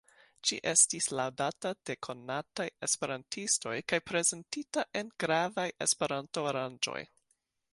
Ĝi estis laŭdata de konataj esperantistoj kaj prezentita en gravaj Esperanto-aranĝoj.